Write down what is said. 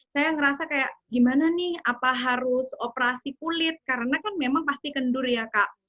saya ngerasa kayak gimana nih apa harus operasi kulit karena kan memang pasti kendur ya kak